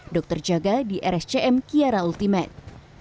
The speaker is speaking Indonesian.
dokter jaga di rscm kiara ultimate